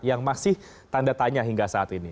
yang masih tanda tanya hingga saat ini